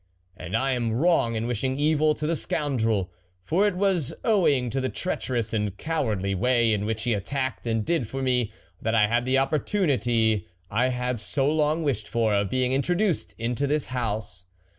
... And I am wrong in wishing evil to the scoundrel, for it was owing to the treacherous and cowardly way in which he attacked and did for me, that I had the opportunity I had so long wished for, of being intro duced into this house.